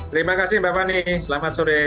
terima kasih mbak fani selamat sore